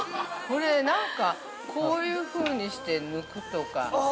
なんか、こういうふうにして抜くとか。